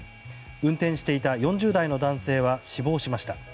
運転していた４０代の男性は死亡しました。